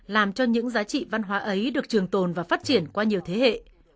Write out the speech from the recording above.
làm cho những giá trị văn hóa ấy được trường tồn và phát triển qua nhiều thế hệ